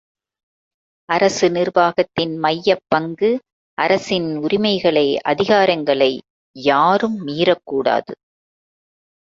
அரசு நிர்வாகத்தின் மையப்பங்கு அரசின் உரிமைகளை அதிகாரங்களை யாரும் மீறக்கூடாது.